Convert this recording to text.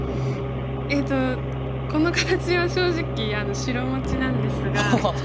えっとこの形は正直白持ちなんですが。